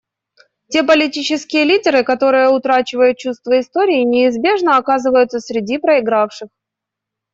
Те политические лидеры, которые утрачивают чувство истории, неизбежно оказываются среди проигравших.